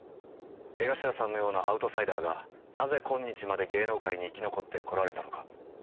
江頭さんのようなアウトサイダーがなぜ今日まで芸能界に生き残ってこられたのか？